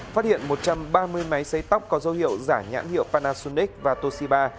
phát hiện một trăm ba mươi máy xây tóc có dấu hiệu giả nhãn hiệu panasonic và toshiba